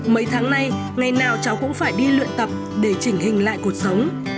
mấy tháng nay ngày nào cháu cũng phải đi luyện tập để chỉnh hình lại cuộc sống